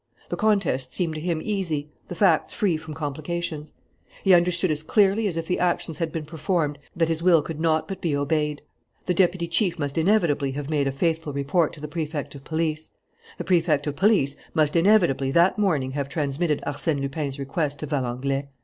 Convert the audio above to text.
The contest seemed to him easy, the facts free from complications. He understood as clearly as if the actions had been performed that his will could not but be obeyed. The deputy chief must inevitably have made a faithful report to the Prefect of Police. The Prefect of Police must inevitably that morning have transmitted Arsène Lupin's request to Valenglay.